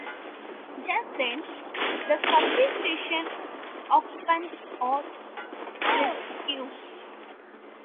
Just then, the subway station occupants are rescued.